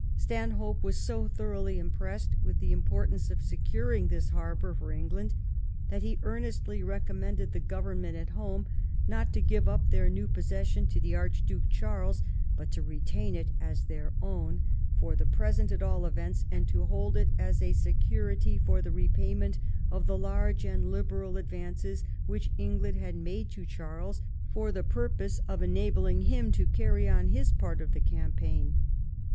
Stanhope was so thoroughly impressed with the importance of securing this harbour for England, that he earnestly recommended the Government at home not to give up their new possession to the Archduke Charles, but to retain it as their own, for the present at all events, and to hold it as a security for the repayment of the large and liberal advances which England had made to Charles for the purpose of enabling him to carry on his part of the campaign.